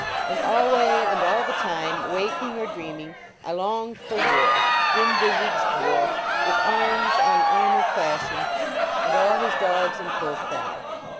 And alway and all the time, waking or dreaming, I longed for war; grim vi>agc(l war, with arms on armor clashing and all his 207 LAUREL AND CYPRES^ dogs in full cry.